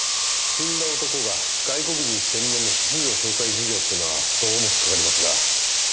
死んだ男が外国人専門の職業紹介事業っていうのはどうも引っかかりますが。